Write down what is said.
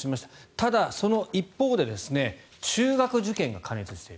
ただ、その一方で中学受験が過熱している。